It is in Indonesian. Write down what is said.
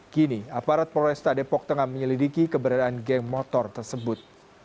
kini aparat polresta depok tengah menyelidiki keberadaan geng motor tersebut